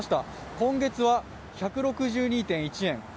今月は１６２．１円。